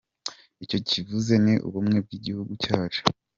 Icyo kivuze ni ubumwe bw’igihugu cyacu.